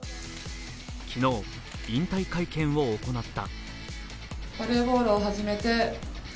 昨日、引退会見を行った。